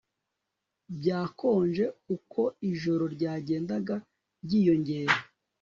Byakonje uko ijoro ryagendaga ryiyongera